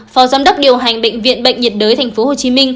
phó giám đốc điều hành bệnh viện bệnh nhiệt đới tp hcm